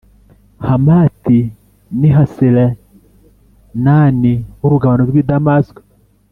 Hamati n i hasarenani h urugabano rw i damasiko